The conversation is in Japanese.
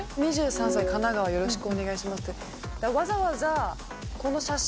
「２３歳神奈川よろしくお願いします」って。